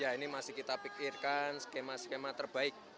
ya ini masih kita pikirkan skema skema terbaik